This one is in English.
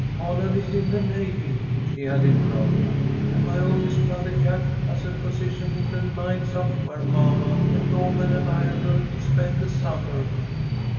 Holland is in the navy," she added, proudly, "and my oldest brother, Jack, has a position in the mines up where mamma and Norman and I are going to spend the summer."